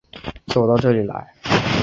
走到这里来